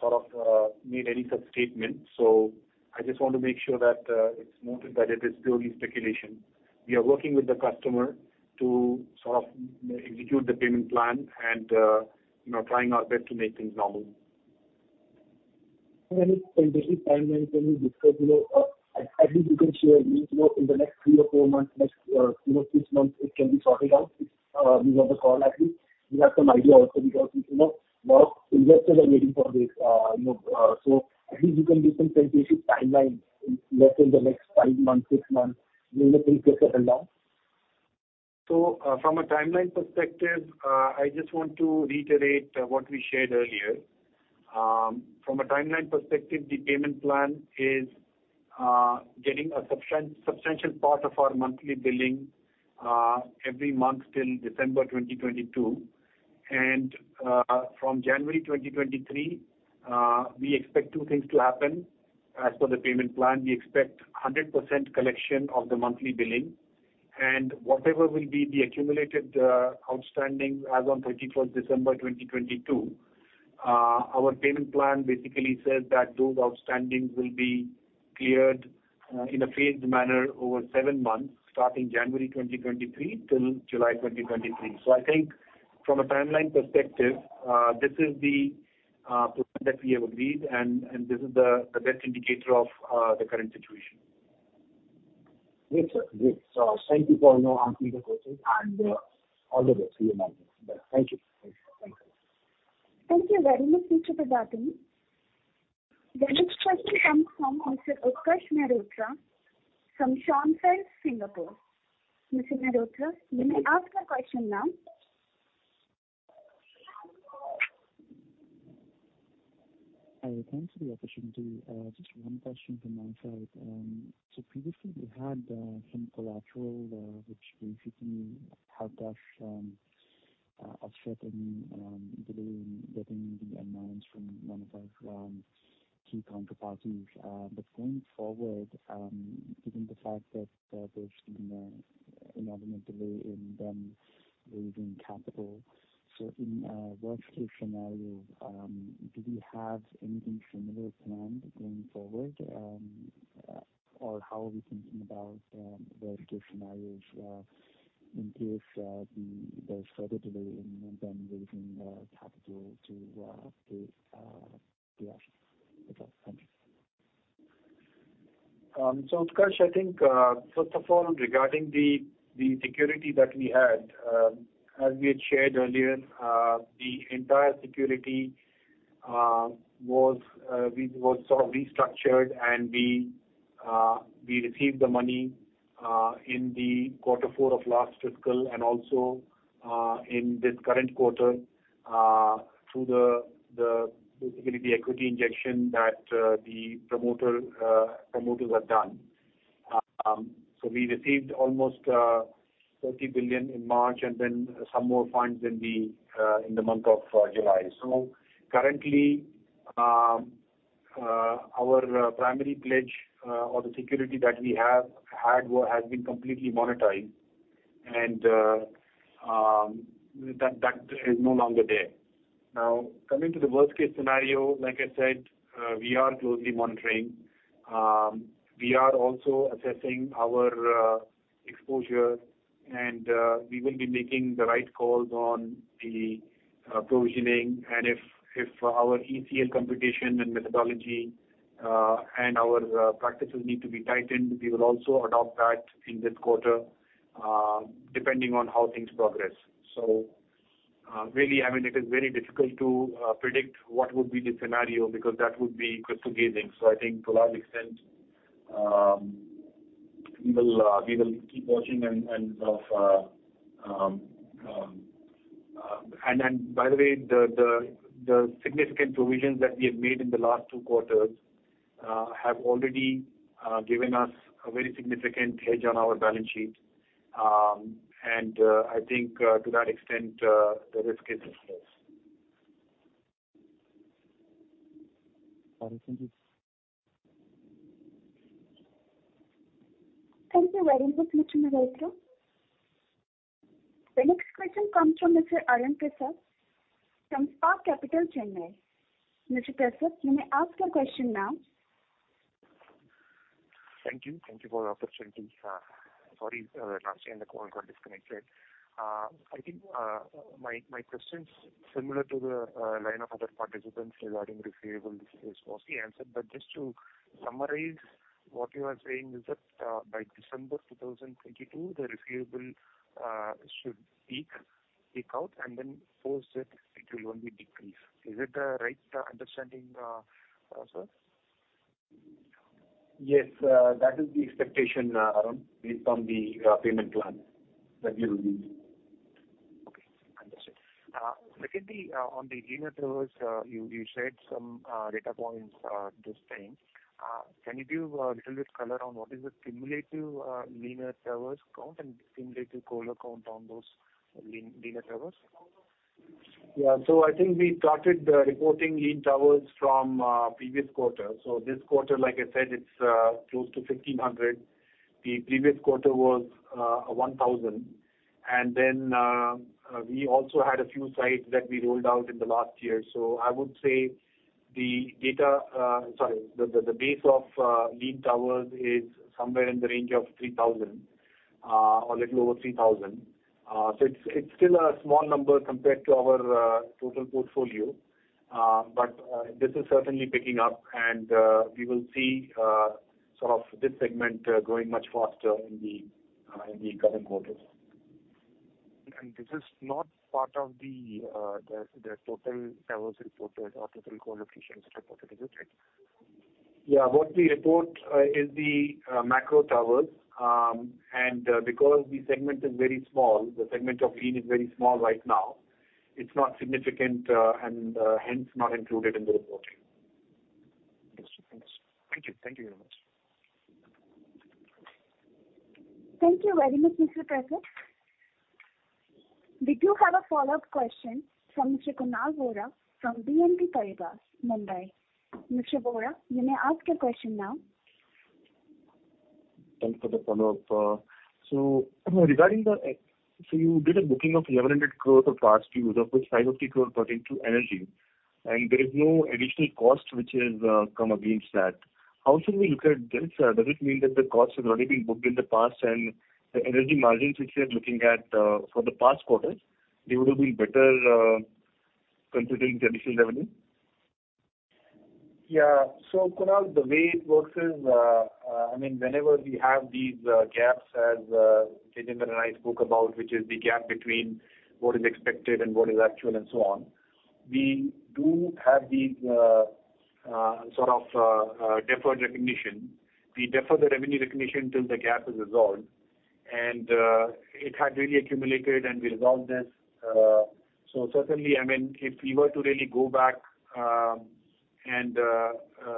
Speaker 3: sort of made any such statement. I just want to make sure that it's noted that it is purely speculation. We are working with the customer to sort of execute the payment plan and, you know, trying our best to make things normal.
Speaker 10: any tentative timeline, you know, at least you can share, you know, in the next three or four months, next, you know, six months it can be sorted out. If because of the call at least you have some idea also because, you know, lot of investors are waiting for this, you know. At least you can give some tentative timeline in, let's say in the next five months, six months, you know, things will settle down.
Speaker 3: From a timeline perspective, I just want to reiterate what we shared earlier. From a timeline perspective, the payment plan is getting a substantial part of our monthly billing every month till December 2022. From January 2023, we expect two things to happen. As per the payment plan, we expect 100% collection of the monthly billing and whatever will be the accumulated outstanding as on 31st December 2022, our payment plan basically says that those outstandings will be cleared in a phased manner over 7 months, starting January 2023 till July 2023. I think from a timeline perspective, this is the plan that we have agreed, and this is the best indicator of the current situation.
Speaker 10: Great, sir. Great. Thank you for, you know, answering the questions and, all the best to you and your team. Thank you.
Speaker 3: Thank you.
Speaker 1: Thank you very much, Mr. Pradani. The next question comes from Mr. Utkarsh Mehrotra from Schroders, Singapore. Mr. Mehrotra, you may ask your question now.
Speaker 11: I thank you for the opportunity. Just one question from my side. Previously you had some collateral, which basically helped us. Offsetting delay in getting the amounts from one of our key counterparties. But going forward, given the fact that there's been an argument delay in them raising capital. In a worst case scenario, do we have anything similar planned going forward? Or how are we thinking about worst case scenarios, in case there's further delay in them raising capital to pay us? That's all. Thank you.
Speaker 3: Utkarsh, I think first of all, regarding the security that we had, as we had shared earlier, the entire security was sort of restructured, and we received the money in quarter four of last fiscal and also in this current quarter through basically the equity injection that the promoters have done. We received almost 30 billion in March and then some more funds in the month of July. Currently, our primary pledge or the security that we have had has been completely monetized, and that is no longer there. Now, coming to the worst case scenario, like I said, we are closely monitoring. We are also assessing our exposure, and we will be making the right calls on the provisioning. If our ECL computation and methodology and our practices need to be tightened, we will also adopt that in this quarter, depending on how things progress. Really, I mean, it is very difficult to predict what would be the scenario because that would be crystal gazing. I think to a large extent, we will keep watching. Then by the way, the significant provisions that we have made in the last two quarters have already given us a very significant hedge on our balance sheet. I think to that extent the risk is less.
Speaker 11: Thank you.
Speaker 1: Thank you very much. We'll take another question. The next question comes from Mr. Arun Prasath from Spark Capital, Chennai. Mr. Prasath, you may ask your question now.
Speaker 12: Thank you. Thank you for the opportunity. Sorry, last time the call got disconnected. I think my question is similar to the line of other participants regarding receivable. This was mostly answered, but just to summarize what you are saying is that, by December 2022, the receivable should peak out, and then post it will only decrease. Is it the right understanding, sir?
Speaker 2: Yes, that is the expectation, Arun, based on the payment plan that we reviewed.
Speaker 12: Okay. Understood. Secondly, on the lean towers, you shared some data points this time. Can you give a little bit color on what is the cumulative lean towers count and cumulative colo count on those lean towers?
Speaker 3: Yeah. I think we started reporting lean towers from previous quarter. This quarter, like I said, it's close to 1,500. The previous quarter was 1,000. We also had a few sites that we rolled out in the last year. I would say, sorry, the base of lean towers is somewhere in the range of 3,000 or little over 3,000. It's still a small number compared to our total portfolio. This is certainly picking up and we will see sort of this segment growing much faster in the coming quarters.
Speaker 12: This is not part of the total towers reported or total co-locations reported, is it right?
Speaker 3: Yeah. What we report is the macro towers. Because the segment is very small, the segment of lean is very small right now. It's not significant and hence not included in the reporting.
Speaker 12: Understood. Thanks. Thank you. Thank you very much.
Speaker 1: Thank you very much, Mr. Prasath. Did you have a follow-up question from Mr. Kunal Vora from BNP Paribas, Mumbai? Mr. Vora, you may ask your question now.
Speaker 4: Thanks for the follow-up. You did a booking of 1,100 crores of past due, of which 500 crores pertain to energy, and there is no additional cost which has come against that. How should we look at this? Does it mean that the cost has already been booked in the past and the energy margins which we are looking at for the past quarters, they would have been better considering the additional revenue?
Speaker 3: Yeah. Kunal, the way it works is, I mean, whenever we have these gaps, as Tejinder and I spoke about, which is the gap between what is expected and what is actual and so on, we do have these sort of deferred recognition. We defer the revenue recognition till the gap is resolved. It had really accumulated, and we resolved this. Certainly, I mean, if we were to really go back,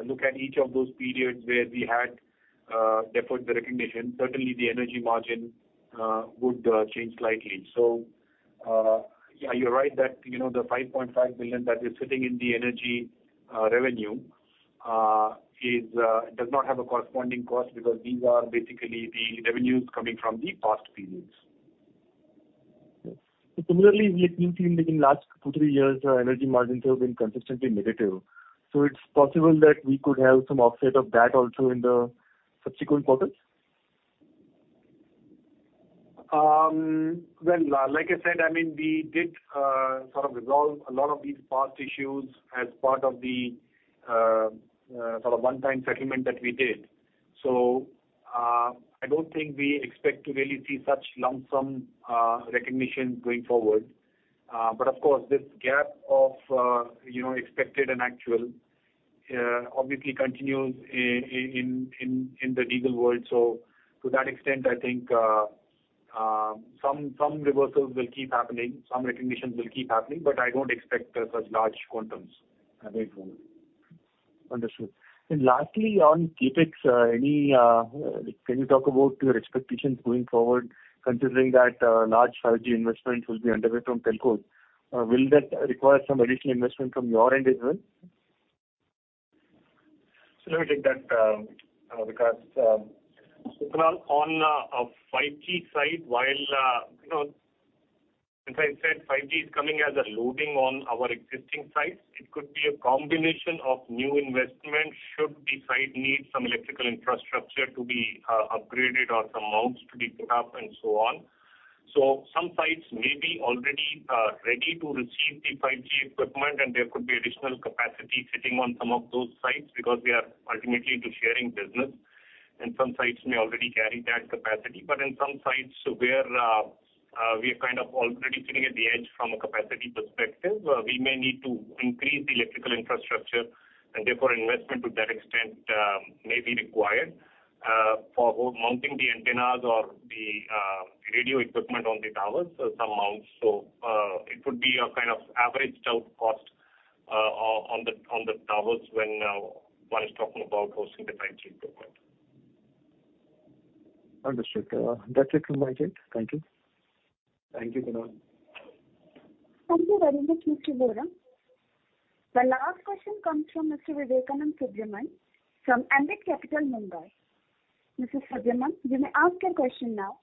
Speaker 3: Look at each of those periods where we had deferred the recognition. Certainly, the energy margin would change slightly. Yeah, you're right that, you know, the 5.5 billion that is sitting in the energy revenue does not have a corresponding cost because these are basically the revenues coming from the past periods.
Speaker 4: Similarly, we have seen within last two, three years, the energy margins have been consistently negative. It's possible that we could have some offset of that also in the subsequent quarters?
Speaker 2: Well, like I said, I mean, we did sort of resolve a lot of these past issues as part of the sort of one-time settlement that we did. I don't think we expect to really see such lump sum recognition going forward. Of course, this gap of you know, expected and actual obviously continues in the digital world. To that extent, I think some reversals will keep happening, some recognitions will keep happening, but I don't expect such large quantums going forward.
Speaker 4: Understood. Lastly, on CapEx, can you talk about your expectations going forward, considering that, large 5G investments will be underway from telcos. Will that require some additional investment from your end as well?
Speaker 2: Let me take that, Vikas. On a 5G site, while you know as I said 5G is coming as a loading on our existing sites. It could be a combination of new investments should the site need some electrical infrastructure to be upgraded or some mounts to be put up and so on. Some sites may be already ready to receive the 5G equipment, and there could be additional capacity sitting on some of those sites because we are ultimately into sharing business, and some sites may already carry that capacity. In some sites where we are kind of already sitting at the edge from a capacity perspective, we may need to increase the electrical infrastructure and therefore investment to that extent may be required for mounting the antennas or the radio equipment on the towers, so some mounts. It would be a kind of averaged out cost on the towers when one is talking about hosting the 5G equipment.
Speaker 4: Understood. That's it from my side. Thank you.
Speaker 2: Thank you, Kunal.
Speaker 1: Thank you very much, Mr. Kunal Vora. The last question comes from Mr. Vivekanand Subbaraman from Ambit Capital, Mumbai. Mr. Subbaraman, you may ask your question now.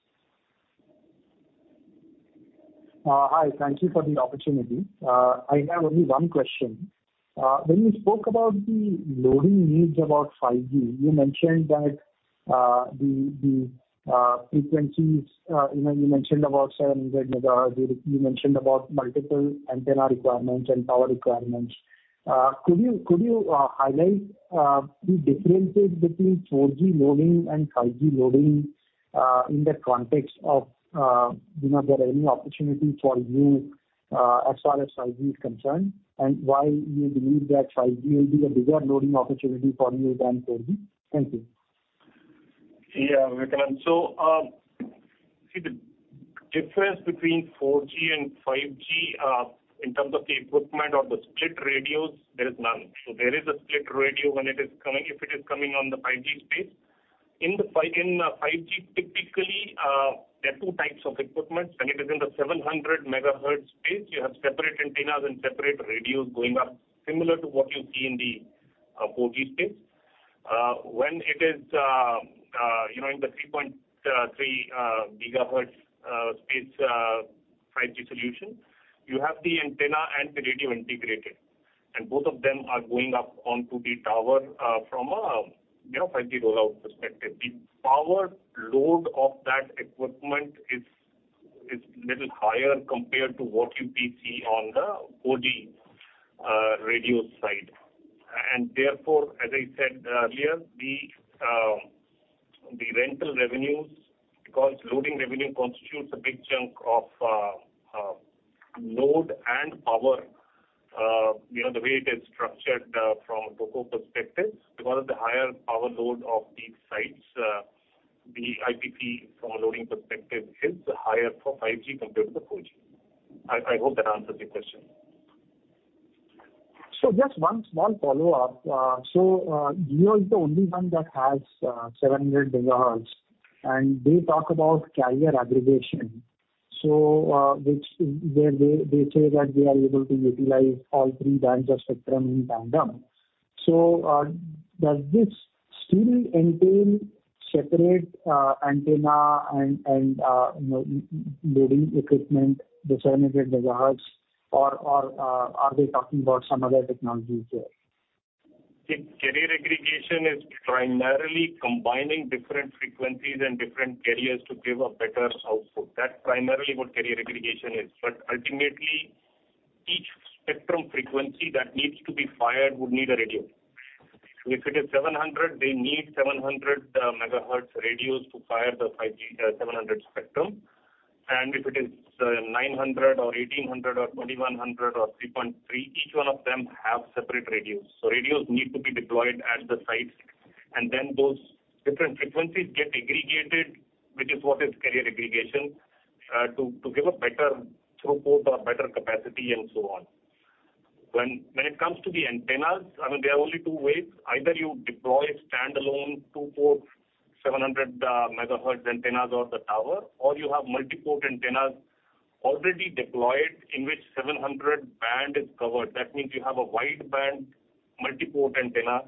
Speaker 13: Hi. Thank you for the opportunity. I have only one question. When you spoke about the loading needs about 5G, you mentioned that the frequencies, you know, you mentioned about 700 MHz. You mentioned about multiple antenna requirements and power requirements. Could you highlight the differences between 4G loading and 5G loading, in the context of, you know, there are any opportunities for you, as far as 5G is concerned, and why you believe that 5G will be the bigger loading opportunity for you than 4G? Thank you.
Speaker 2: Yeah, Vivekanand. See the difference between 4G and 5G in terms of the equipment or the split radios, there is none. There is a split radio when it is coming, if it is coming on the 5G space. In 5G, typically, there are two types of equipment. When it is in the 700 MHz space, you have separate antennas and separate radios going up, similar to what you see in the 4G space. When it is, you know, in the 3.3 gigahertz space, 5G solution, you have the antenna and the radio integrated, and both of them are going up onto the tower from a 5G rollout perspective. The power load of that equipment is little higher compared to what you may see on the 4G radio side. Therefore, as I said earlier, the rental revenues, because leasing revenue constitutes a big chunk of load and power, you know, the way it is structured from a co-lo perspective. Because of the higher power load of these sites, the ARPT from a leasing perspective is higher for 5G compared to the 4G. I hope that answers your question.
Speaker 13: Just one small follow-up. Jio is the only one that has 700 MHz, and they talk about carrier aggregation. Where they say that they are able to utilize all three bands of spectrum in tandem. Does this still entail separate antenna and, you know, loading equipment, the 700 MHz or are they talking about some other technologies there?
Speaker 2: Carrier aggregation is primarily combining different frequencies and different carriers to give a better output. That's primarily what carrier aggregation is. Ultimately, each spectrum frequency that needs to be fired would need a radio. If it is 700, they need 700-MHz radios to fire the 5G 700 spectrum. And if it is 900 or 1800 or 2100 or 3.3, each one of them have separate radios. Radios need to be deployed at the sites, and then those different frequencies get aggregated, which is what is carrier aggregation to give a better throughput or better capacity and so on. When it comes to the antennas, I mean, there are only two ways. Either you deploy standalone 2-port 700-MHz antennas on the tower, or you have multi-port antennas already deployed in which 700 band is covered. That means you have a wideband multi-port antenna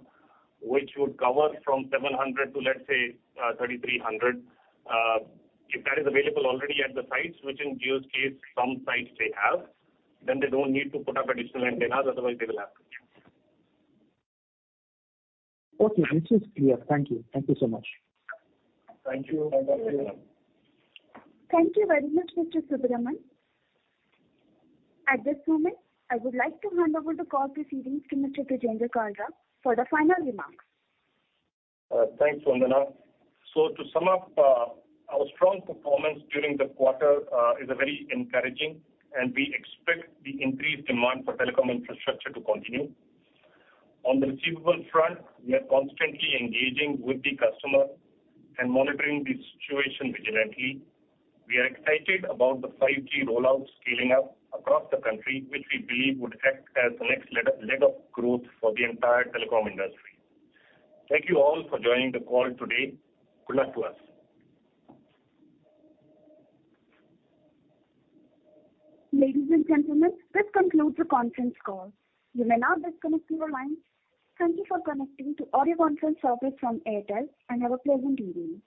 Speaker 2: which would cover from 700 to, let's say, 3300. If that is available already at the sites, which in Jio's case some sites they have, then they don't need to put up additional antennas, otherwise they will have to.
Speaker 13: Okay, this is clear. Thank you. Thank you so much.
Speaker 2: Thank you.
Speaker 1: Thank you very much, Mr. Subbaraman. At this moment, I would like to hand over the call proceedings to Mr. Tejinder Kalra for the final remarks.
Speaker 2: Thanks, [Operator]. To sum up, our strong performance during the quarter is very encouraging, and we expect the increased demand for telecom infrastructure to continue. On the receivable front, we are constantly engaging with the customer and monitoring the situation vigilantly. We are excited about the 5G rollout scaling up across the country, which we believe would act as the next leg of growth for the entire telecom industry. Thank you all for joining the call today. Good luck to us.
Speaker 1: Ladies and gentlemen, this concludes the conference call. You may now disconnect your lines. Thank you for connecting to audio conference service from Airtel, and have a pleasant evening.